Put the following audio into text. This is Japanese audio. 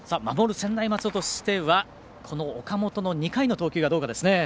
専大松戸としては岡本の２回の投球がどうかですね。